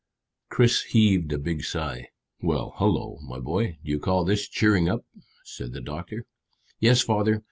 Chris heaved a big sigh. "Why, hullo, my boy! Do you call this cheering up?" said the doctor. "Yes, father.